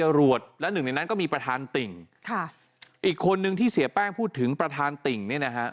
จรวดและหนึ่งในนั้นก็มีประธานติ่งค่ะอีกคนนึงที่เสียแป้งพูดถึงประธานติ่งเนี่ยนะฮะ